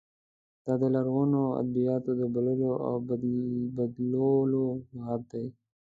دا د لرغونو ادبیاتو د بوللو او بدلو لغت دی.